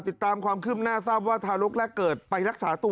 ติดตามความคืบหน้าทราบว่าทารกแรกเกิดไปรักษาตัว